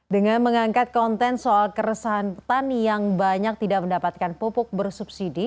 dengan mengangkat konten soal keresahan petani yang banyak tidak mendapatkan pupuk bersubsidi